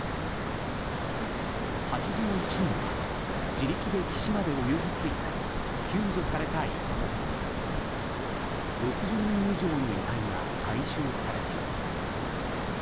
８１人が自力で岸まで泳ぎ着いたり救助された一方６０人以上の遺体が回収されています。